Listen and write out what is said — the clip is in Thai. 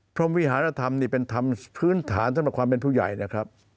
พรมวิหารธรรมนี่เป็นธรรมพื้นฐานสำหรับความเป็นผู้ใหญ่นะครับ